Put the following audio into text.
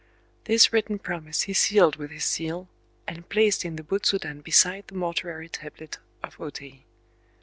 This written promise he sealed with his seal, and placed in the butsudan beside the mortuary tablet of O Tei.